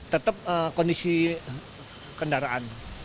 tetap kondisi kendaraan